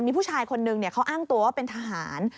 มีผู้ชายคนนึงเขาอ้างตัวว่าเป็นทหาร